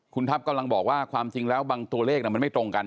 คุณทัพกำลังบอกว่าความจริงแล้วบางตัวเลขมันไม่ตรงกัน